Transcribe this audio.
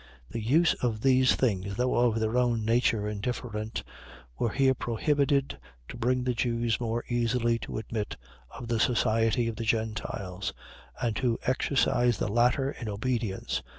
. .The use of these things, though of their own nature indifferent, was here prohibited, to bring the Jews more easily to admit of the society of the Gentiles; and to exercise the latter in obedience.